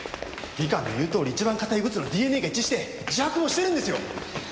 技官の言うとおり一番固いブツのＤＮＡが一致して自白もしてるんですよ。